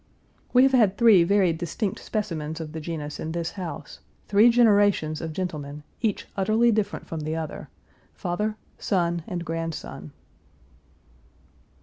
We have had three very distinct specimens of the genus in this house three generations of gentlemen, each utterly different from the other father, son, and grandson.